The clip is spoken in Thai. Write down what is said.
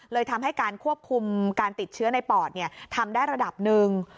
ทำให้การควบคุมการติดเชื้อในปอดทำได้ระดับหนึ่ง